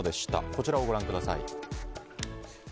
こちら、ご覧ください。